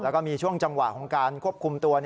แล้วก็มีช่วงจังหวะของการควบคุมตัว